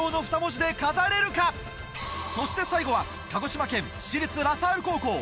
そして最後は鹿児島県私立ラ・サール高校。